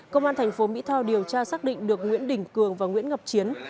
công an thành phố mỹ tho điều tra xác định được nguyễn đình cường và nguyễn ngọc chiến